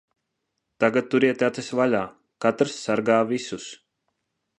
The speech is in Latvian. Tagad turiet acis vaļā. Katrs sargā visus.